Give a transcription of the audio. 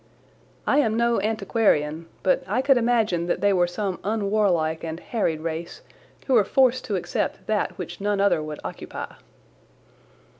I am no antiquarian, but I could imagine that they were some unwarlike and harried race who were forced to accept that which none other would occupy.